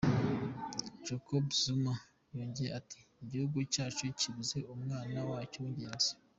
Jacob Zuma yongeye ati “Igihugu cyacu kibuze umwana wacyo w’ingenzi”.